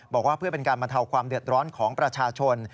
บอกว่าเพื่อเป็นการบรรเทาความเดือดร้อนของประชาชน